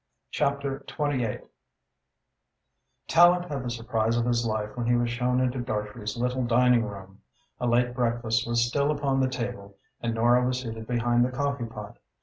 CHAPTER XIV Tallente had the surprise of his life when he was shown into Dartrey's little dining room. A late breakfast was still upon the table and Nora was seated behind the coffee pot.